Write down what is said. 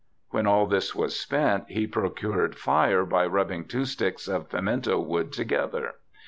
When all this was spent he procured fire by rubbing two sticks of pimento wood together.